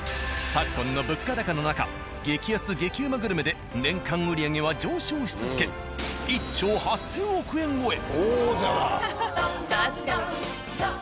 昨今の物価高の中激安激うまグルメで年間売り上げは上昇し続け１兆８、０００億円超え。